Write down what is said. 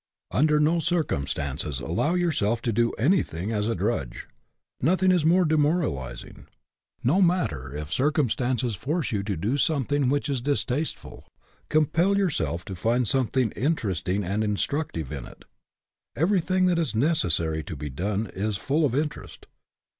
Under no circumstances allow yourself to do anything as a drudge. Nothing is more demoralizing. No matter if circumstances force you to do something which is distaste SPIRIT IN WHICH YOU WORK 81 ful, compel yourself to find something in teresting and instructive in it. Everything that is necessary to be done is full of interest.